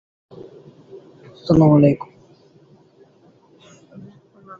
Venerada hayot bo‘lishi mumkin emas — olimlar